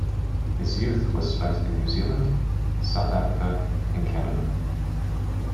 His youth was spent in New Zealand, South Africa and Canada.